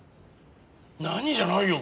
なに？じゃないよ！